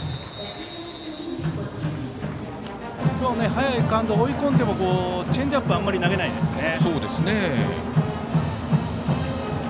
早いカウントで追い込んでのチェンジアップあまり投げないですね。